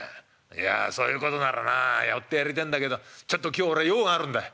いやそういうことならな寄ってやりてえんだけどちょっと今日俺は用があるんだ。